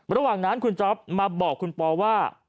ระหว่างนั้นคุณจ๊อปมาบอกคุณปอว่า